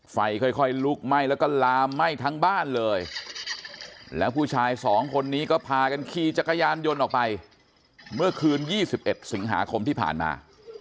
ไฟค่อยลุกไหม้แล้วก็ลามไหม้ทั้งบ้านเลยแล้วผู้ชายสองคนนี้ก็พากันขี่จักรยานยนต์ออกไปเมื่อคืน๒๑สิงหาคมที่ผ่านมา